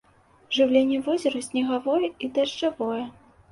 Жыўленне возера снегавое і дажджавое.